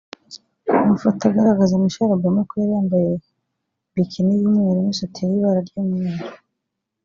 Amafoto agaragaza Michelle Obama ko yari yambaye bikini y’umweru n’isutiye y’ibara ry’umweru